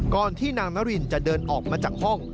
ที่นางนารินจะเดินออกมาจากห้อง